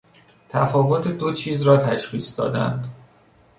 تفاوت دو چیز را تشخیص دادن